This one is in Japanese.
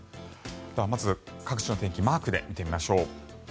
では、まず各地の天気マークで見てみましょう。